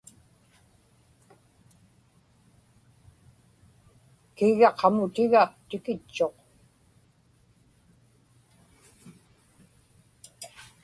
kigga qamutiġa tikitchuq